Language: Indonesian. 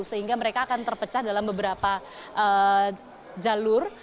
sehingga mereka akan terpecah dalam beberapa jalur